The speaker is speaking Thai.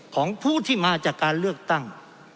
ของผู้ที่มาจากการเลือกตั้ง